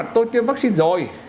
tôi tìm vaccine rồi